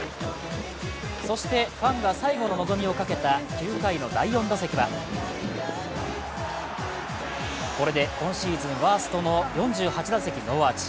そしてファンが最後の望みをかけた９回の第４打席はこれで今シーズンワーストの４８打席ノーアーチ。